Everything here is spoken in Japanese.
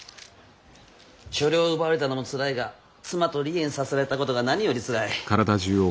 所領を奪われたのもつらいが妻と離縁させられたことが何よりつらい。